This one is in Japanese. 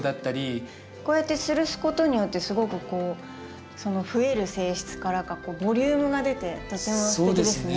こうやってつるすことによってすごくこうそのふえる性質からかボリュームが出てとてもすてきですね。